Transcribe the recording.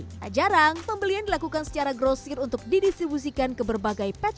agar jarang pembelian dilakukan secara grossier untuk didistribusikan ke berbagai pet shop